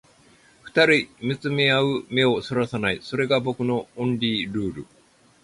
二人見つめ合う目を逸らさない、それが僕のオンリールール